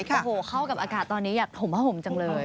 เช่นอย่างเข้ากับอากาศตอนนี้อยากห่มผ้าห่มจังเลย